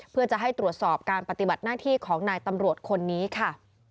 เพื่อจะให้ตรวจสอบการปฏิบัติหน้าที่ของนายตำรวจคนนี้ค่ะ